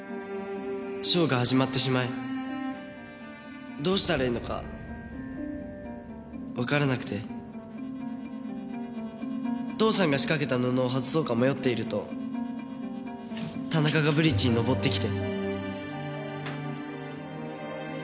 ショーが始まってしまいどうしたらいいのかわからなくて父さんが仕掛けた布を外そうか迷っていると田中がブリッジに上ってきて。